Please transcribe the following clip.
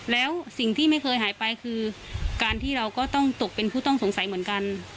แล้วสิ่งที่ไม่เคยหายไปคือการที่เราก็ต้องตกเป็นผู้ต้องสงสัยเหมือนกัน